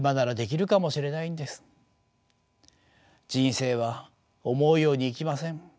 人生は思うようにいきません。